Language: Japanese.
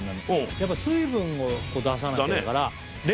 やっぱ水分を出さなきゃだから。